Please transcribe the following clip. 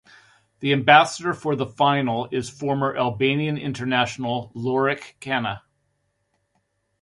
The ambassador for the final is former Albanian international Lorik Cana.